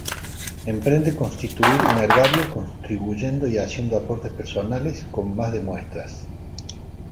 Emprende constituir un herbario contribuyendo y haciendo aportes personales con más de muestras.